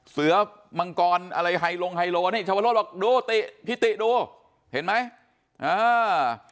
เสือมังกรอะไรไฮลงไฮโลนี่ชาวโรธบอกดูติพี่ติดูเห็นไหมอ่า